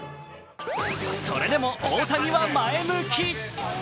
それでも大谷は前向き。